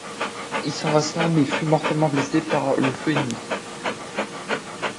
Il s'avança mais fut mortellement blessé par le feu ennemi.